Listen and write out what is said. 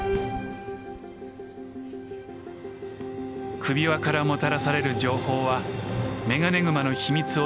首輪からもたらされる情報はメガネグマの秘密を解き明かす